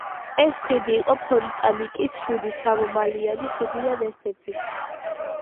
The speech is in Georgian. ეს ხიდი იყო ფონტანკის შვიდი სამმალიანი ხიდიდან ერთ-ერთი.